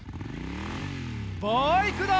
バイクだ！